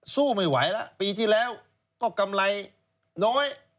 สู้ไม่ไหวแล้วปีที่แล้วก็กำไรน้อย